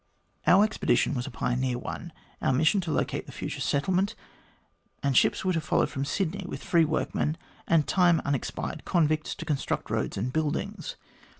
" Our expedition was a pioneer one ; our mission to locate the future settlement ; and ships were to follow from Sydney with free workmen and time unexpired convicts, to construct roads and buildings.